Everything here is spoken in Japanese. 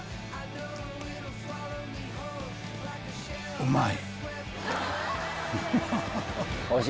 うまい。